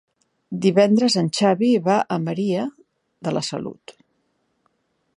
Divendres en Xavi va a Maria de la Salut.